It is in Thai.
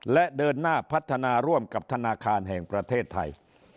และเดินหน้าพัฒนาร่วมกับธนาคารแห่งประเทศไทย